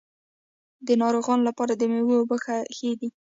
د ناروغانو لپاره د میوو اوبه ښې دي.